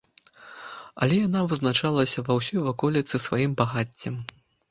Але яна вызначалася ва ўсёй ваколіцы сваім багаццем.